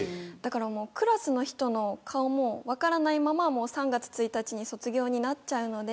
クラスの人も顔も分からないまま３月１日に卒業になっちゃうので。